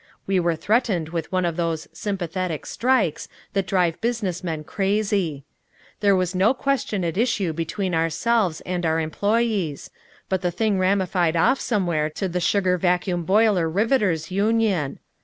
We were threatened with one of those "sympathetic" strikes that drive business men crazy. There was no question at issue between ourselves and our employes; but the thing ramified off somewhere to the sugar vacuum boiler riveters' union.